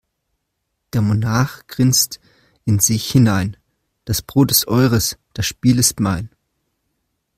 Der Monarch grinst in sich hinein: Das Brot ist eures, das Spiel ist mein.